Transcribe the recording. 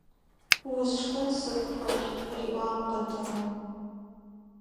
Усшхын сыгу хэлъ! – риӀуагъ къыдырым.